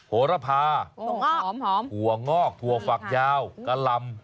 โหระพาถั่วงอกถั่วฝักยาวกะลำ